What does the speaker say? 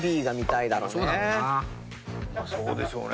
そうでしょうね。